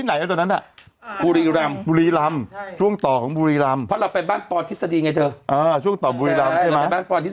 ให้กูลองกันใหญ่สองคน